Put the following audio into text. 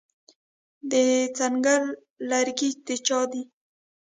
د ځنګل لرګي د چا دي؟